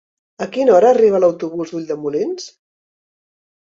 A quina hora arriba l'autobús d'Ulldemolins?